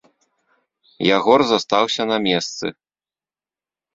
Ягор застаўся на месцы.